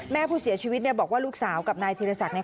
แม่ผู้เสียชีวิตเนี่ยบอกว่าลูกสาวกับนายธีรศักดิ์